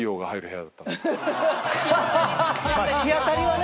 日当たりはね。